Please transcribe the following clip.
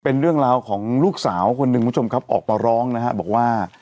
เป็นเรื่องราวของลูกสาวคนหนึ่งคุณผู้ชมครับออกมาร้องนะฮะบอกว่า